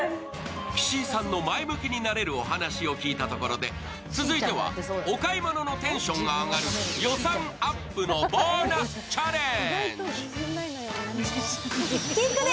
岸井さんの前向きになれるお話を聞いたところで続いてはお買い物のテンションが上がる予算アップのボーナスチャレンジ。